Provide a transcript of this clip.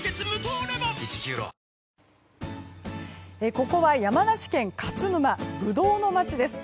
ここは山梨県勝沼ブドウの街です。